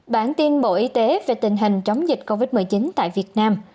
bản tin bộ y tế về tình hình chống dịch covid một mươi chín tại việt nam